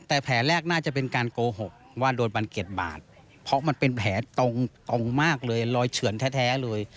แต่แผลแรกน่าจะเป็นการโกหกว่าโดนบันเก็ตบาดเพราะมันเป็นแผลตรงมากเลยรอยเฉื่อนแท้เลย